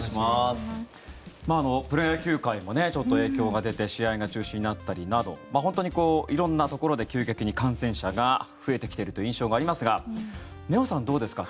プロ野球界もちょっと影響が出て試合が中止になったりなど色んなところで急激に感染者が増えてきているという印象がありますがねおさん、どうですか。